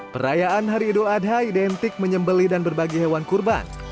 perayaan hari idul adha identik menyembeli dan berbagi hewan kurban